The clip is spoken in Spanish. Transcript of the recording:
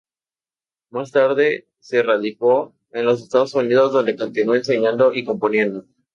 Más tarde se radicó en los Estados Unidos donde continuó enseñando y componiendo.